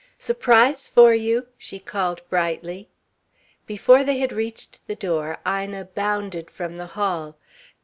"Surprise for you!" she called brightly. Before they had reached the door, Ina bounded from the hall.